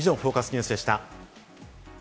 ニュースでした。